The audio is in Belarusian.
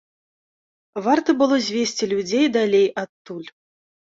Варта было звесці людзей далей адтуль.